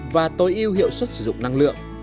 và tối ưu hiệu suất sử dụng năng lượng